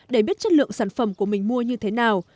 để biết chất lượng sản phẩm của mình mua như thế nào